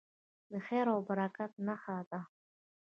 د خیر او برکت نښه ده.